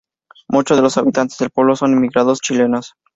Muchos de los habitantes del pueblo son inmigrantes chilenos.